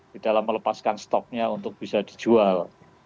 di dalam melepaskan stoknya untuk bisa dijual